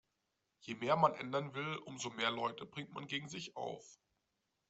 Je mehr man ändern will, umso mehr Leute bringt man gegen sich auf.